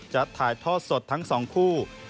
จะถ่ายทอดสดทั้ง๒คู่